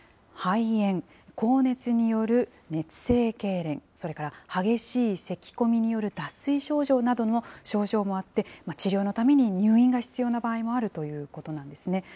肺炎、高熱による熱性けいれん、それから激しいせき込みによる脱水症状などの症状もあって、治療のために入院が必要な場合もあるということなんですね。